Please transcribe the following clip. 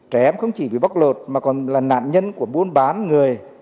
trẻ em không chỉ bị bóc lột mà còn là nạn nhân của buôn bán người